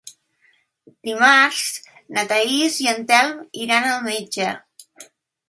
Dimarts na Thaís i en Telm iran al metge.